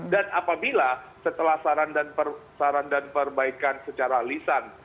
dan apabila setelah saran dan perbaikan secara lisan